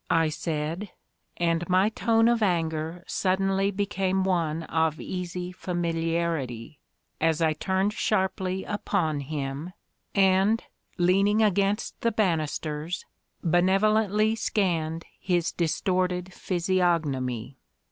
I said, and my tone of anger suddenly became one of easy familiarity, as I turned sharply upon him, and, leaning against the banisters, benevolently scanned his distorted physiognomy.